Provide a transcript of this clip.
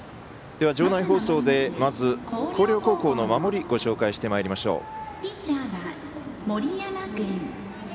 場内放送で、まず広陵高校の守りご紹介していきましょう。